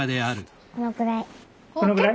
このぐらい？